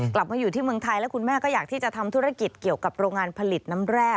กลับมาอยู่ที่เมืองไทยแล้วคุณแม่ก็อยากที่จะทำธุรกิจเกี่ยวกับโรงงานผลิตน้ำแร่